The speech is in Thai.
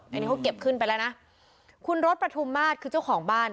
อันนี้เขาเก็บขึ้นไปแล้วนะคุณรถประทุมมาตรคือเจ้าของบ้าน